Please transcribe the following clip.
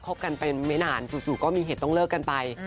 บกันไปไม่นานจู่ก็มีเหตุต้องเลิกกันไป